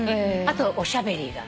あとおしゃべりが。